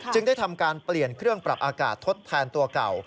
ได้ทำการเปลี่ยนเครื่องปรับอากาศทดแทนตัวเก่า